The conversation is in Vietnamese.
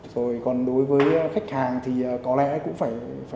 rồi còn đối với khách hàng thì có lẽ cũng phải